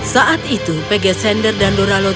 saat itu pegasender dan doralo